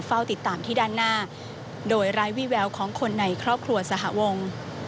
เฝ้าติดตามที่ด้านหน้าโดยไร้วี่แววของคนในครอบครัวสหวง